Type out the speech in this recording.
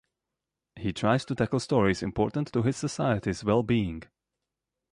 He tries to tackle stories important to his society's well-being.